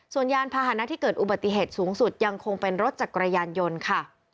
ส่วนยานพาหนะที่เกิดอุบัติเหตุสูงสุดยังคงเป็นรถจักรยานยนต์ค่ะ